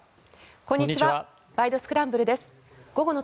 こんにちは。